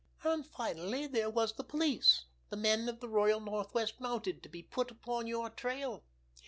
And, finally, there was the police, the men of the Royal Northwest Mounted, to be put upon your trail.